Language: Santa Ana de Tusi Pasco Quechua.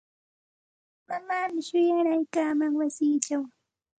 Mamaami shuwaraykaaman wasichaw.